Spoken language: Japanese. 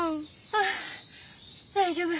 あ大丈夫。